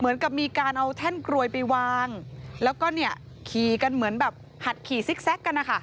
เหมือนกับมีการเอาแท่นกรวยไปวางแล้วก็เนี่ยขี่กันเหมือนแบบหัดขี่ซิกแก๊กกันนะคะ